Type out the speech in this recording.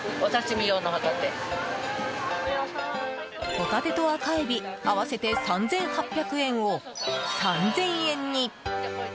ホタテと赤エビ、合わせて３８００円を３０００円に。